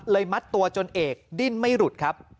มัดตัวจนเอกดิ้นไม่หลุดครับ